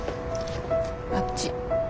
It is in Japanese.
あっち。